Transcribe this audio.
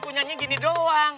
punyanya gini doang